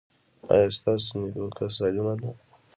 ایا ستاسو نیوکه سالمه ده؟